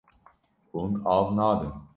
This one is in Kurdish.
Hûn av nadin.